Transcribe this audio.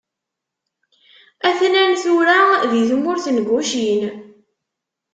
a-ten-an tura di tmurt n Gucin.